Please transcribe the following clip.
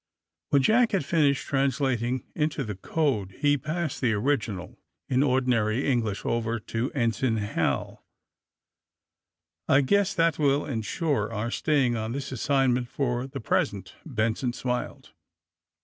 '' "When Jack had finished translating into the code he passed the original, in ordinary English, over to Ensign Hal. ^'I guess that will ensure our staying on this assignment for the present," Benson smiled.